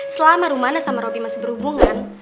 selama rumana sama robby masih berhubungan